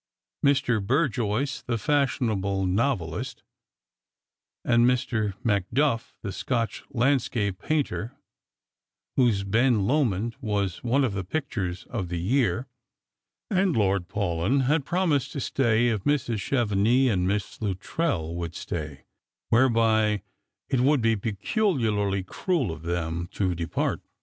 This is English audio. Mr. Burjoyce the fashionable novelist, and Mr. Macduff the Scotch landscape painter, whose Ben Lomond was one of the pictures of the year ; and Lord Paulyn had promised to stay if Mrs. Chevenix and Miss Luttrell would stay, whereby it would ^^e peculiarly cruel of them to depart.